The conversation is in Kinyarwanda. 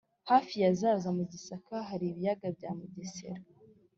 hafi ya zaza mu gisaka hari ibiyaga bya mugesera;